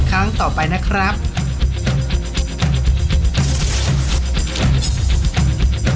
เอากลับบ้านไปเลย